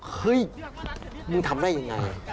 เฮ่ยมึงทำได้อย่างไร